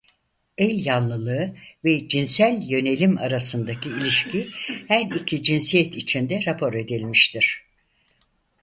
El yanlılığı ve cinsel yönelim arasındaki ilişki her iki cinsiyet içinde rapor edilmiştir.